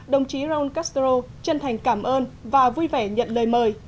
đồng chí ron castro chân thành cảm ơn và vui vẻ nhận lời mời